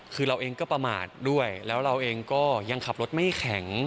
คือเราเองก็ประมาทด้วยแล้วเราเองก็ยังขับรถไม่แข็ง